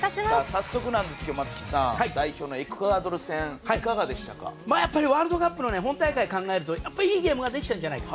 早速なんですが松木さん代表のエクアドル戦ワールドカップの本大会を考えるとやっぱりいいゲームができてるんじゃないか。